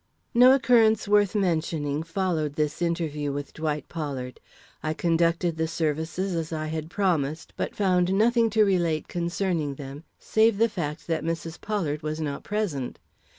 No occurrence worth mentioning followed this interview with Dwight Pollard. I conducted the services as I had promised, but found nothing to relate concerning them, save the fact that Mrs. Pollard was not present.